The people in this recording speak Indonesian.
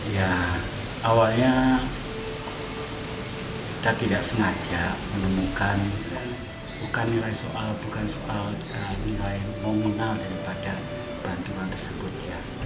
ya awalnya kita tidak sengaja menemukan bukan nilai soal bukan soal nilai nominal daripada bantuan tersebut